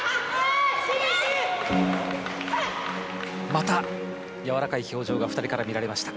また柔らかい表情がふたりから見られました。